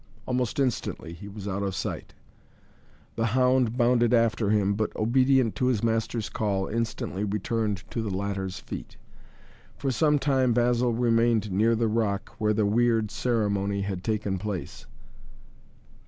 Almost instantly he was out of sight. The hound bounded after him but, obedient to his master's call, instantly returned to the latter's feet. For some time Basil remained near the rock where the weird ceremony had taken place.